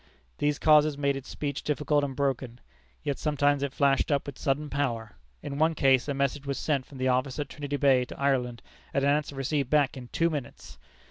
These causes made its speech difficult and broken. Yet sometimes it flashed up with sudden power. In one case, a message was sent from the office at Trinity Bay to Ireland and an answer received back in two minutes!